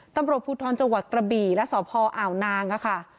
ตำรวจภูทรจังหวัดกระบี่และสพอ่าวนางค่ะ